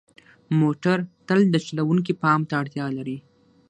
موټر تل د چلوونکي پام ته اړتیا لري.